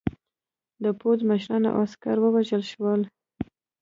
د پوځ مشران او عسکر ووژل شول.